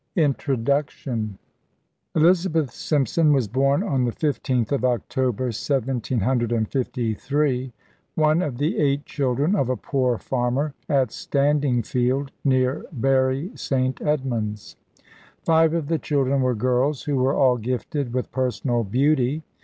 INTRODUCTION Elizabeth Simpson was born on the 15th of October, 1753, one of the eight children of a poor farmer, at Standingfield, near Bury St. Edmunds. Five of the children were girls, who were all gifted with personal beauty.